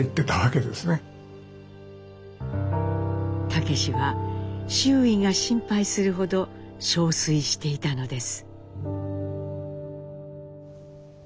武は周囲が心配するほど憔悴していたのです。